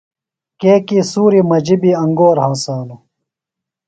کیۡکی سُوریۡ مجیۡ بیۡ انگور ہنسانوۡ۔